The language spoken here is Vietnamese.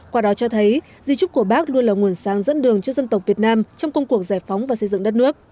qua đó cho thấy di trúc của bác luôn là nguồn sáng dẫn đường cho dân tộc việt nam trong công cuộc giải phóng và xây dựng đất nước